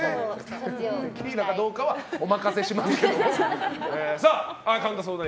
テキーラかどうかはお任せしますけども。